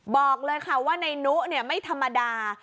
บอกเลยค่ะว่าในนุไม่ธรรมดา